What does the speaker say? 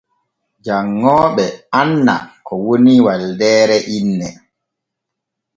Janŋooɓe anna ko woni waldeere inne.